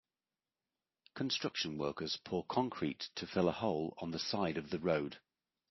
Construction workers pour concrete to fill a hole on the side of the road.